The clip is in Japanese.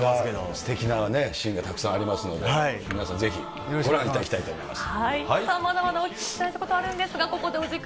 すてきなシーンがたくさんありますんで、皆さんぜひ、ご覧いただきたいと思います。